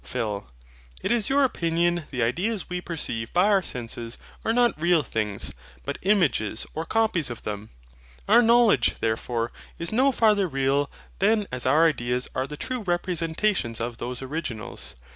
PHIL. It is your opinion the ideas we perceive by our senses are not real things, but images or copies of them. Our knowledge, therefore, is no farther real than as our ideas are the true REPRESENTATIONS OF THOSE ORIGINALS.